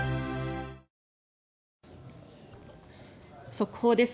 速報です。